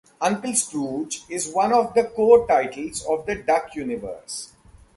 "Uncle Scrooge" is one of the core titles of the "Duck universe.